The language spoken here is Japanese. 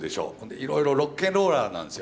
いろいろロッケンローラーなんですよ